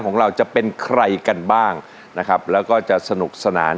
นะครับแล้วก็จะสนุกสนาน